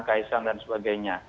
kaisang dan sebagainya